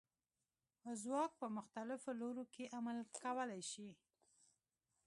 ځواک په مختلفو لورو کې عمل کولی شي.